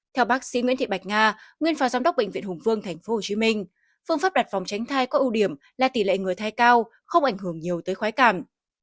theo bác sĩ nguyễn thị bạch nga nguyên phó giám đốc bệnh viện hùng vương tp hcm phương pháp đặt phòng tránh thai có ưu điểm là tỷ lệ người thai cao không ảnh hưởng nhiều tới khóa cảm